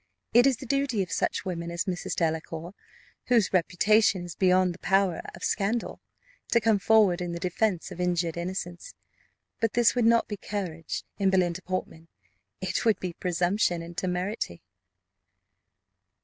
It is the duty of such women as Mrs. Delacour, whose reputation is beyond the power of scandal, to come forward in the defence of injured innocence; but this would not be courage in Belinda Portman, it would be presumption and temerity."